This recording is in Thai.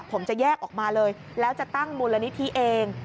ผมจะแยกออกมาเลยแล้วจะตั้งมูลนิธิเอง